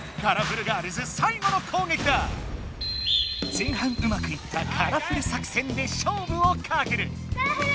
前半うまくいったカラフル作戦でしょうぶをかける！